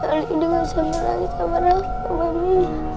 ali udah gak sama lagi sama rafa mami